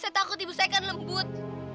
saya takut ibu saya kan lembut